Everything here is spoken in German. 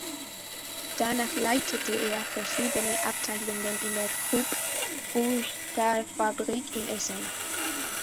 Danach leitete er verschiedene Abteilungen in der Krupp-Gussstahlfabrik in Essen.